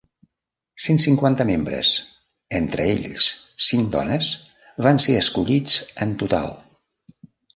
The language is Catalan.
Cent cinquanta membres, entre ells cinc dones, van ser escollits en total.